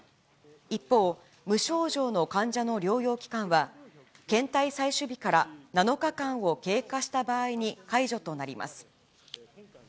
一方、無症状の患者の療養期間は、検体採取日から７日間を経過した場合に解除となります。